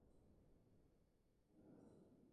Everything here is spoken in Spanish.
Fue tío paterno de Juan Vázquez de Coronado y Anaya.